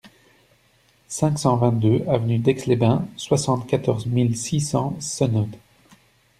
cinq cent vingt-deux avenue d'Aix les Bains, soixante-quatorze mille six cents Seynod